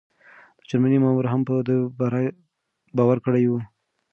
د جرمني مامور هم په ده باور کړی و.